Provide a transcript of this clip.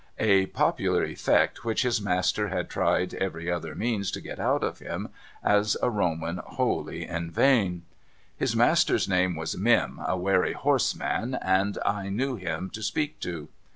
— a popular eftect which his master had tried every other means to get out of him as a Roman wholly in vain. His master's name was Mim, a wery hoarse man, and I knew him to speak to.